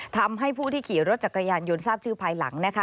ทำให้ผู้ที่ขี่รถจักรยานยนต์ทราบชื่อภายหลัง